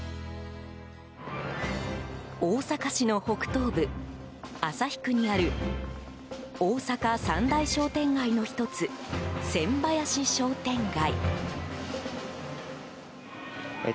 大阪市の北東部、旭区にある大阪三大商店街の１つ千林商店街。